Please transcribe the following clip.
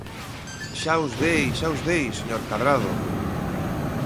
¡Xa os dei!, ¡xa os dei, señor Cadrado!